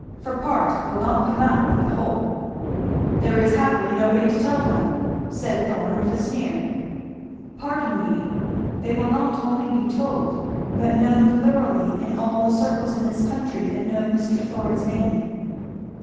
for part will not come out without the whole?" "There is happily nobody to tell them," said Thorn with a sneer. "Pardon me they will not only be told, but known thoroughly in all the circles in this country that know Mr. Thorn's name."